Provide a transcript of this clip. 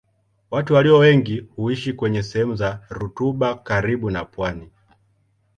Watu walio wengi huishi kwenye sehemu za rutuba karibu na pwani.